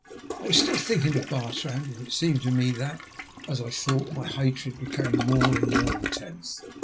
I was still thinking of Bartrand, and it seemed to me that, as I thought, my hatred became more and more intense.